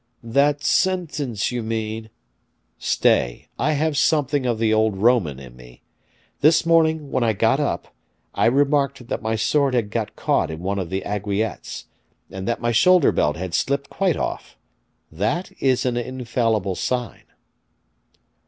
"That sentence, you mean " "Stay, I have something of the old Roman in me. This morning, when I got up, I remarked that my sword had got caught in one of the aiguillettes, and that my shoulder belt had slipped quite off. That is an infallible sign."